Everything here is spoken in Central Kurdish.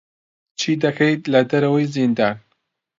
چی دەکەیت لە دەرەوەی زیندان؟